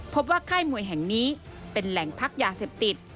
ค่ายมวยแห่งนี้เป็นแหล่งพักยาเสพติด